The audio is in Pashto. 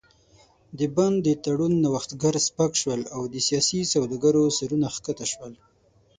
د بن د تړون نوښتګر سپک شول او د سیاسي سوداګرو سرونه ښکته شول.